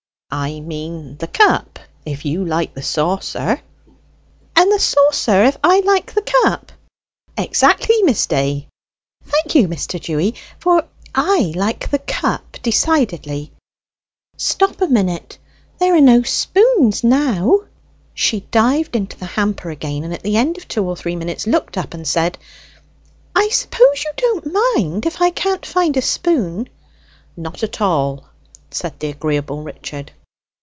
"I mean the cup, if you like the saucer." "And the saucer, if I like the cup?" "Exactly, Miss Day." "Thank you, Mr. Dewy, for I like the cup decidedly. Stop a minute; there are no spoons now!" She dived into the hamper again, and at the end of two or three minutes looked up and said, "I suppose you don't mind if I can't find a spoon?" "Not at all," said the agreeable Richard.